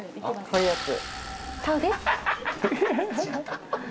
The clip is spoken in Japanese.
こういうやつ。